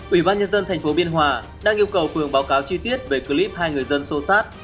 ủy ban nhân dân tp biên hòa đang yêu cầu phường báo cáo chi tiết về clip hai người dân sâu sát